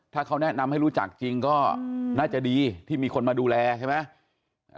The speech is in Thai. ถ้าเขาแนะนำให้รู้จักจริงก็น่าจะดีที่มีคนมาดูแลใช่ไหม